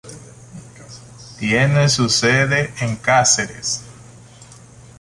Tiene su sede en Cáceres.